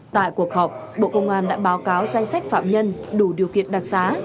tại cuộc họp bộ công an đã báo cáo danh sách phạm nhân đủ điều kiện đặc xá